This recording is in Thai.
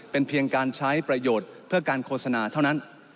เป็นเพียงการใช้ประโยชน์เพื่อการโฆษณาเท่านั้น